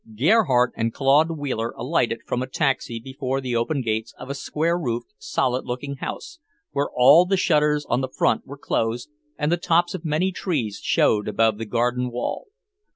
XIV Gerhardt and Claude Wheeler alighted from a taxi before the open gates of a square roofed, solid looking house, where all the shutters on the front were closed, and the tops of many trees showed above the garden wall.